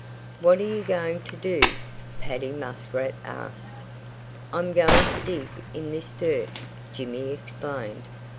"What are you going to do?" Paddy Muskrat asked. "I'm going to dig in this dirt," Jimmy explained.